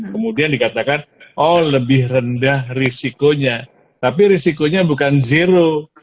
kemudian dikatakan oh lebih rendah risikonya tapi risikonya bukan zero